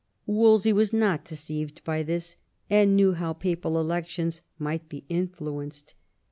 Wolsey was not deceived by this, and knew how papal elections might be influenced.